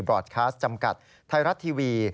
รอดคลาสจำกัดไทยรัฐทีวี